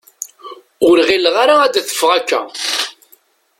Ur ɣileɣ ara ad d-teffeɣ akka.